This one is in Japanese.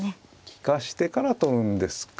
利かしてから取るんですか。